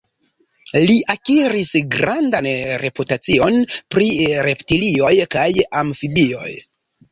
Li akiris grandan reputacion pri reptilioj kaj amfibioj.